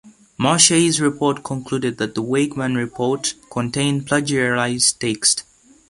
Mashey's report concluded that the Wegman Report contained plagiarized text.